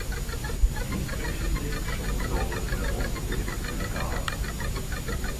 These friction disk shock absorbers were also fitted to many cars.